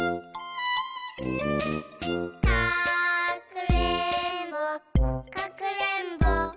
「かくれんぼかくれんぼ」